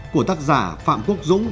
của tác giả phạm quốc dũng